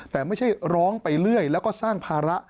แต่ไม่ใช่ร้องไปเรื่อยแล้วก็สร้างภาระ